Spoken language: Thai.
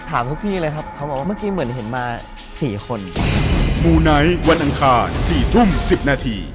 ถามทุกที่เลยครับเขาบอกว่าเมื่อกี้เหมือนเห็นมา๔คน